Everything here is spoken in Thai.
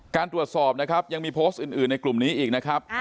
ตรวจสอบนะครับยังมีโพสต์อื่นในกลุ่มนี้อีกนะครับ